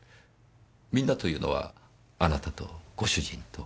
「みんな」というのはあなたとご主人と？